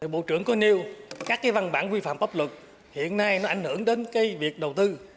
bộ trưởng có nêu các văn bản quy phạm pháp luật hiện nay nó ảnh hưởng đến việc đầu tư